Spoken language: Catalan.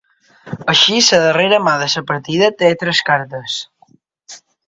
Així la darrera mà de la partida té tres cartes.